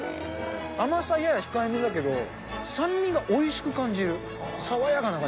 甘さやや控えめだけど、酸味がおいしく感じる。